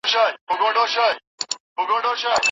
مرغۍ په خپل مړوند ثابته کړه چې حق باید وغوښتل شي.